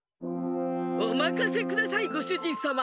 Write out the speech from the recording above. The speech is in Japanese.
おまかせくださいごしゅじんさま。